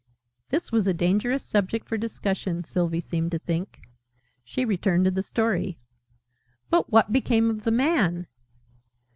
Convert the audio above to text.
This was a dangerous subject for discussion, Sylvie seemed to think. She returned to the Story. "But what became of the Man?"